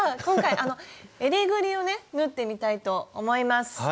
今回えりぐりをね縫ってみたいと思います。